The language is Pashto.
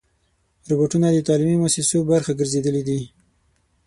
روبوټونه د تعلیمي مؤسسو برخه ګرځېدلي دي.